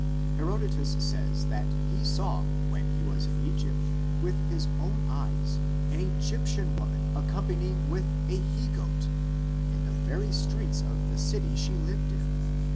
Herodotus says that he saw, when he was in Egypt, with his own eyes, an Egyptian woman accompany ing with a he goat, in the very streets of the city she lived in.